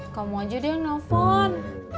kamu aja dia yang nelfon